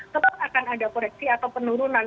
tetap akan ada koreksi atau penurunan